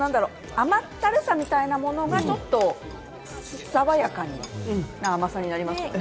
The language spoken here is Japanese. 甘ったるさみたいなものが、爽やかな甘さになりますよね。